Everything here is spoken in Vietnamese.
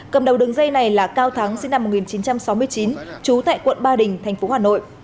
cầm đầu đường dây này là cao thắng sinh năm một nghìn chín trăm sáu mươi chín trú tại quận ba đình tp hà nội